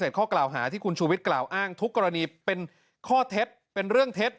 ขอปฏิเสธข้อกล่าวหาที่คุณชูวิชกล่าวอ้างทุกกรณีเป็นเรื่องเท็จ